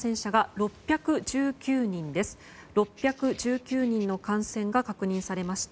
６１９人の感染が確認されました。